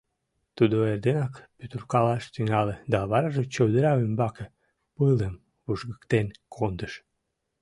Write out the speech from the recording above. Тудо эрденак пӱтыркалаш тӱҥале да вараже чодыра ӱмбаке пылым вужгыктен кондыш.